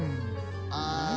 ああ。